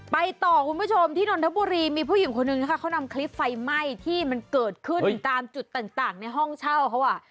ไปต่อคุณผู้ชมที่นนทบุรีมีผู้หญิงคนนึงนะคะเขานำคลิปไฟไหม้ที่มันเกิดขึ้นตามจุดต่างในห้องเช่าเขาอ่ะ